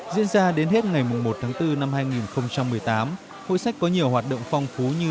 diễn ra đến hết ngày một tháng bốn năm hai nghìn một mươi tám hội sách có nhiều hoạt động phong phú như